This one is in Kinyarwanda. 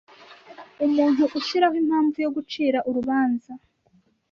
Umuntu ushyiraho impamvu yo gucira urubanza